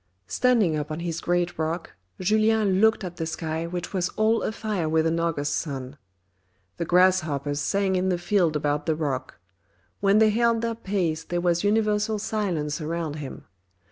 Standing up on his great rock, Julien looked at the sky which was all afire with an August sun. The grasshoppers sang in the field about the rock ; when they held their peace there was universal silence around him.